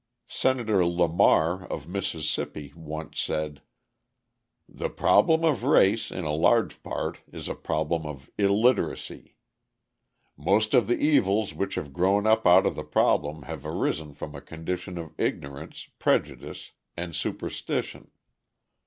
Senator Lamar of Mississippi once said: "The problem of race, in a large part, is a problem of illiteracy. Most of the evils which have grown up out of the problem have arisen from a condition of ignorance, prejudice and superstition.